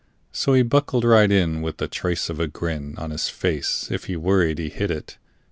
So he buckled right in with the trace of a grin On his face. If he worried he hid it.